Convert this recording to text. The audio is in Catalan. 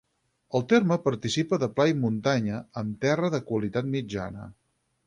El terme participa de pla i de muntanya, amb terra de qualitat mitjana.